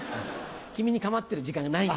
君に構ってる時間がない。